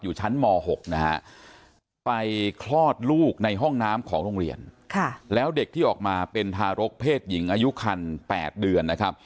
อยู่ชั้นม๖นะฮะไปคลอดลูกในห้องน้ำของโรงเรียนแล้วเด็กที่ออกมาเป็นทารกเพศหญิงอายุคัน๘เดือนนะครับ